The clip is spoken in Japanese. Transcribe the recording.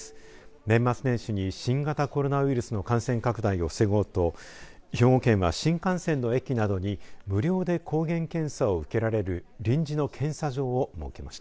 年末年始に新型コロナウイルスの感染拡大を防ごうと兵庫県は新幹線の駅などに無料で抗原検査を受けられる臨時の検査場を設けました。